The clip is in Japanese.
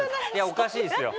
おかしいですよ。